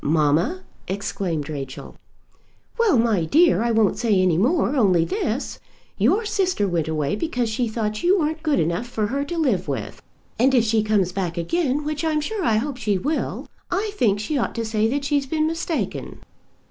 "Mamma!" exclaimed Rachel. "Well, my dear, I won't say any more; only this. Your sister went away because she thought you weren't good enough for her to live with; and if she comes back again, which I'm sure I hope she will, I think she ought to say that she's been mistaken."